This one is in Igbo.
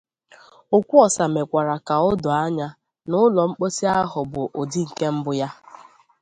Okwuosa mekwara ka o doo anya na ụlọ mposi ahụ bụ ụdị nke mbụ ya